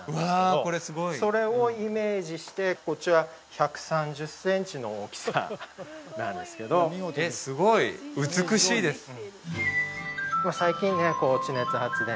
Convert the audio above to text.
これすごいそれをイメージしてこっちは１３０センチの大きさなんですけどそうですね